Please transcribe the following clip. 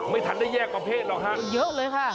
ไม่ทันได้แยกมาเภสหรอไม่เยอะเลยฮะ